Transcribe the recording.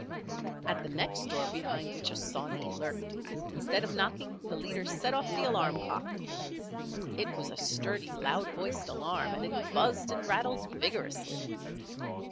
At the next door behind which a "sawney" lurked, instead of knocking, the leader set off the alarm clock. It was a sturdy, loud voiced alarm, and it buzzed and rattled vigorously.